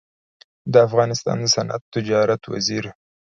د افغانستان د صنعت تجارت وزیر